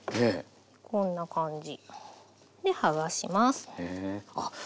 こんな感じで剥がします。